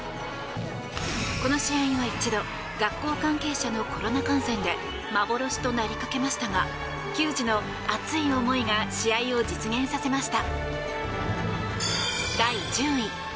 この試合は一度学校関係者のコロナ感染で幻となりかけましたが球児の熱い思いが試合を実現させました。